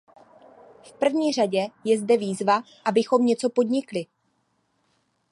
V první řadě je zde výzva, abychom něco podnikli.